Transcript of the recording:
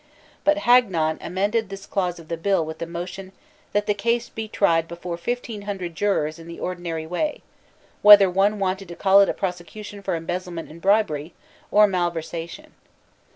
But Hagnon amended this clause of the bill with the motion that the case be tried before fifteen hundred jurors in the ordinary way, whether one wanted to call it a prosecution for embezzlement and bribery, or malyersation.